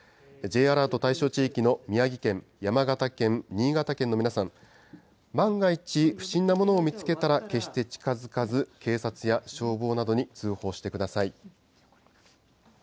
Ｊアラート対象地域の宮城県、山形県、新潟県の皆さん、万が一、不審なものを見つけたら、決して近づかず、警察や消防などに通報してください。